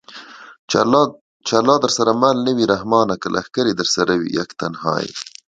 چې الله درسره مل نه وي رحمانه! که لښکرې درسره وي یک تنها یې